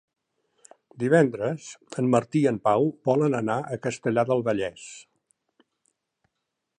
Divendres en Martí i en Pau volen anar a Castellar del Vallès.